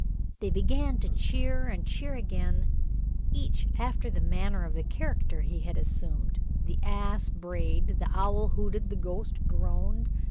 They began to cheer and cheer again, each after the manner of the character he had assumed. The ass brayed, the owl hooted, the ghost groaned.